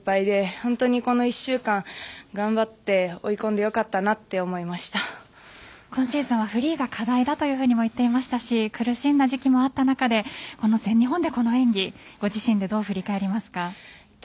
本当に、この１週間頑張って追い込んでよかったなと今シーズンはフリーが課題だとも言っていましたし苦しんだ時期もあった中でこの全日本で、この演技ご自身で、どう振り返りますか？